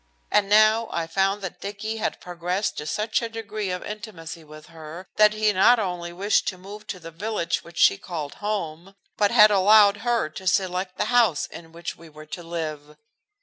And now I found that Dicky had progressed to such a degree of intimacy with her that he not only wished to move to the village which she called home, but had allowed her to select the house in which we were to live.